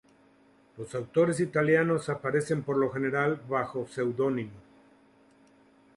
Los autores italianos aparecen por lo general bajo seudónimo.